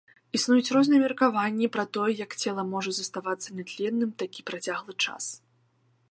Існуюць розныя меркаванні пра тое, як цела можа заставацца нятленным такі працяглы час.